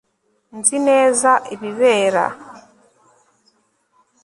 Nzi neza ibibera